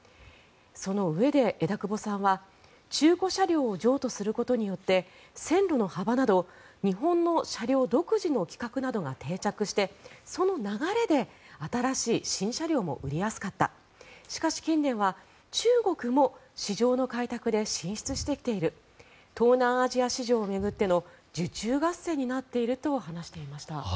そのうえで枝久保さんは中古車両を譲渡することによって線路の幅など日本の車両独自の企画などが定着してその流れで新しい新車両も売りやすかったしかし近年は中国も市場の開拓で進出してきている東南アジア市場を巡っての受注合戦になっていると話していました。